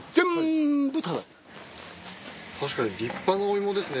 確かに立派なお芋ですね